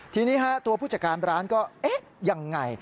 ทีนี้ตัวผู้จัดการร้านก็เอ๊ะยังไง